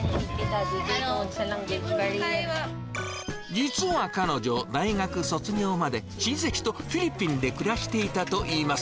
実は彼女、大学卒業まで、親戚とフィリピンで暮らしていたといいます。